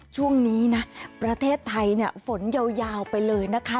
ช่วงนี้นะประเทศไทยเนี่ยฝนยาวไปเลยนะคะ